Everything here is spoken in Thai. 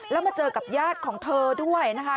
แล้วมาเจอกับญาติของเธอด้วยนะคะ